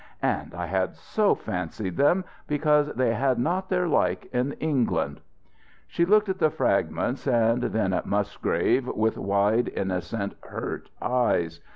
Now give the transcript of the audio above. And I had so fancied them, because they had not their like in England!" She looked at the fragments, and then at Musgrave, with wide, innocent hurt eyes.